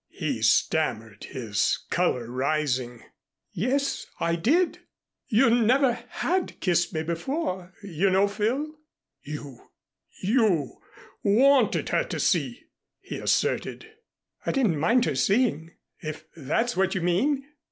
he stammered, his color rising. "Yes, I did. You never had kissed me before, you know, Phil." "You you wanted her to see," he asserted. "I didn't mind her seeing if that's what you mean."